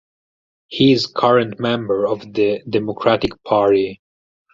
He is current member of the Democratic Party.